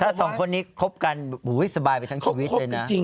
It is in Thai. ถ้าสองคนนี้คบกันสบายไปทั้งชีวิตเลยนะ